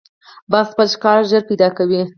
باز خپل ښکار ژر پیدا کوي